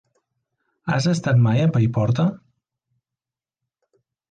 Has estat mai a Paiporta?